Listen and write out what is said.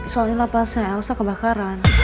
soalnya pasnya elsa kebakaran